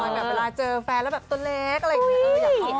แบบเวลาเจอแฟนแล้วแบบตัวเล็กอะไรอย่างนี้